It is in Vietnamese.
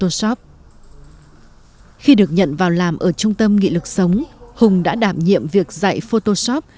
em được biết trung tâm nghỉ lực sống qua trên mạng trên youtube